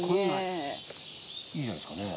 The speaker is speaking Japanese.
いいじゃないですかね。